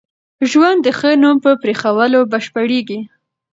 ژوند د ښه نوم په پرېښوولو بشپړېږي.